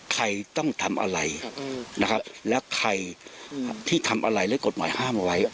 ใครต้องทำอะไรนะครับแล้วใครที่ทำอะไรและกฎหมายห้ามเอาไว้